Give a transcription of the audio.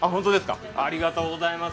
ありがとうございます。